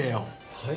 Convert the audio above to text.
はい？